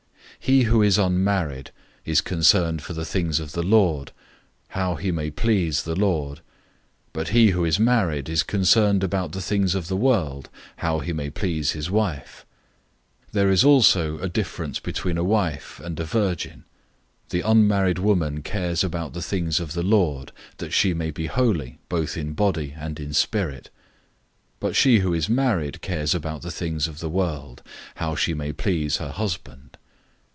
He who is unmarried is concerned for the things of the Lord, how he may please the Lord; 007:033 but he who is married is concerned about the things of the world, how he may please his wife. 007:034 There is also a difference between a wife and a virgin. The unmarried woman cares about the things of the Lord, that she may be holy both in body and in spirit. But she who is married cares about the things of the world how she may please her husband.